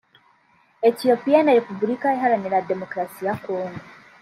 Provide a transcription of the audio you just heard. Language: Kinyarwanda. Etiyopiya na Repubulika Iharanira Demokarasi ya Congo